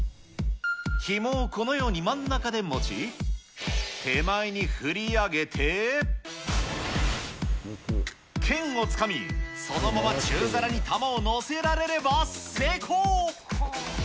ひもをこのように真ん中で持ち、手前に振り上げて、けんをつかみ、そのまま中皿に玉を載せられれば成功！